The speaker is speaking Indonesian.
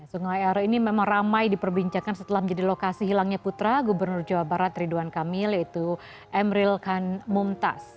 sungai are ini memang ramai diperbincangkan setelah menjadi lokasi hilangnya putra gubernur jawa barat ridwan kamil yaitu emril khan mumtaz